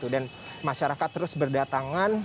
dan masyarakat terus berdatangan